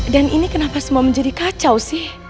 ini kenapa semua menjadi kacau sih